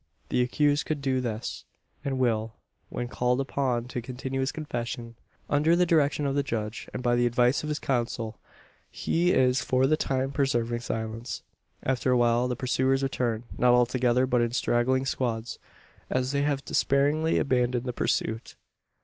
The accused could do this; and will, when called upon to continue his confession. Under the direction of the judge, and by the advice of his counsel, he is for the time preserving silence. After a while the pursuers return; not all together, but in straggling squads as they have despairingly abandoned the pursuit.